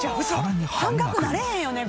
半額なれへんよね。